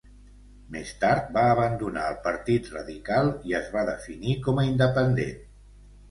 Més tard va abandonar el Partit Radical i es va definir com a independent.